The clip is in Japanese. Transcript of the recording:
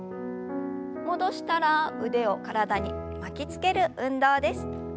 戻したら腕を体に巻きつける運動です。